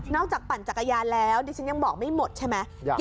จากปั่นจักรยานแล้วดิฉันยังบอกไม่หมดใช่ไหม